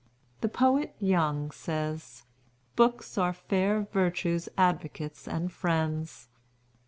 The poet Young says, 'Books are fair Virtue's advocates and friends.'